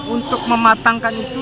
untuk mematangkan itu